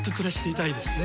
いいですね。